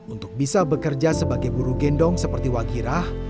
untuk bisa bekerja sebagai buru gendong seperti wagirah